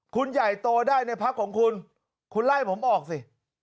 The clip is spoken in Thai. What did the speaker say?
คุณใหญ่โตได้ในพักของคุณคุณไล่ผมออกสิ